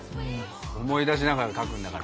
思い出しながら描くんだから。